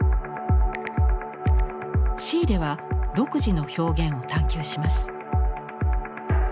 シーレは独自の表現を探求します。